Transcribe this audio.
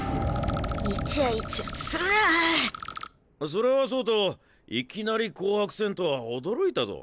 それはそうといきなり紅白戦とは驚いたぞ。